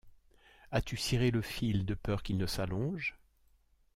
As-tu ciré le fil de peur qu’il ne s’allonge?